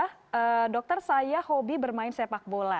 nah dokter saya hobi bermain sepak bola